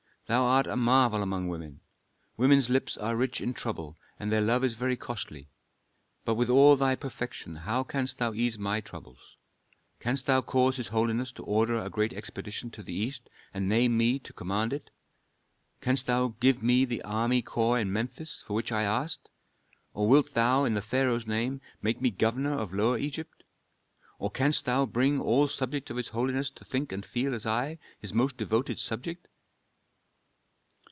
Thou art a marvel among women; women's lips are rich in trouble and their love is very costly. But with all thy perfection how canst thou ease my troubles? Canst thou cause his holiness to order a great expedition to the East and name me to command it? Canst thou give me the army corps in Memphis, for which I asked, or wilt thou, in the pharaoh's name, make me governor of Lower Egypt? Or canst thou bring all subjects of his holiness to think and feel as I, his most devoted subject?"